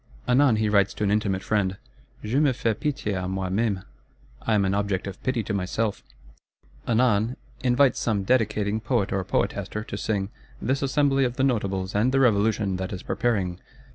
Anon he writes to an intimate friend, 'Je me fais pitié à moi même (I am an object of pity to myself);' anon, invites some dedicating Poet or Poetaster to sing "this Assembly of the Notables and the Revolution that is preparing."